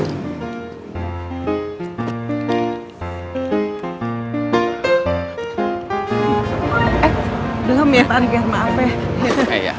eh belum ya tarian maaf ya